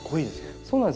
そうなんですよ。